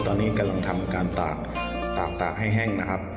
ตอนนี้กำลังทำการตากตากตากให้แห้งนะครับ